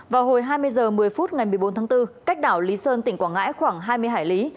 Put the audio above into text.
vào hồi hai mươi h một mươi phút ngày một mươi bốn tháng bốn cách đảo lý sơn tỉnh quảng ngãi khoảng hai mươi hải lý